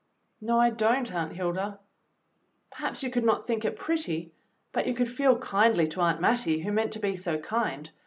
"No, I don't, Aunt Hilda." "Perhaps you could not think it pretty, but you could feel kindly to Aunt Mattie, who meant to be so kind.